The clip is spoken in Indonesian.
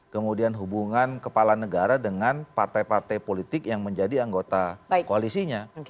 kemudian hubungan kepala negara dengan partai partai politik yang menjadi anggota koalisinya